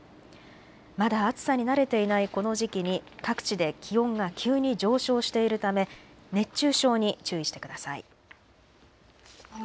まだ暑さに慣れていないこの時期に各地で気温が急に上昇ししているため熱中症に注意してください。